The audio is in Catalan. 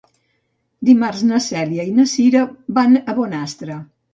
Dimarts na Cèlia i na Cira van a Bonastre.